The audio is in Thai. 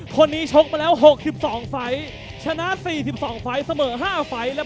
๓คู่ที่ผ่านมานั้นการันตีถึงความสนุกดูดเดือดที่แฟนมวยนั้นสัมผัสได้ครับ